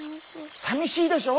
さみしいでしょ？